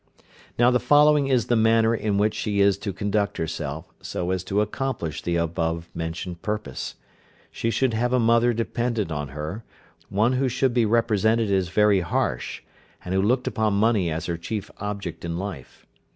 Now the following is the manner in which she is to conduct herself, so as to accomplish the above mentioned purpose. She should have a mother dependent on her, one who should be represented as very harsh, and who looked upon money as her chief object in life.